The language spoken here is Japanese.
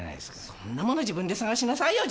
そんなもの自分で探しなさいよ